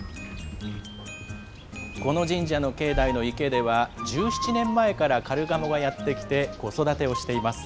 この神社の境内の池では、１７年前からカルガモがやって来て、子育てをしています。